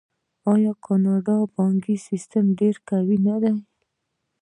آیا د کاناډا بانکي سیستم ډیر قوي نه دی؟